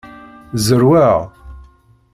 Zerrweɣ.